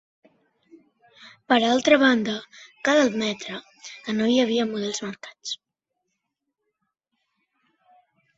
Per altra banda, cal admetre que no hi havia models marcats.